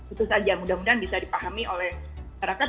itu saja mudah mudahan bisa dipahami oleh masyarakat